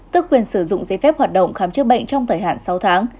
tức quyền sử dụng giấy phép hoạt động khám chữa bệnh trong thời hạn sáu tháng